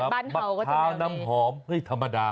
บักพราวน้ำหอมไม่ธรรมดา